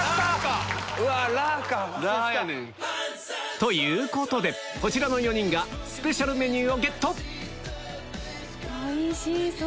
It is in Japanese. ということでこちらの４人がスペシャルメニューをゲットおいしそう！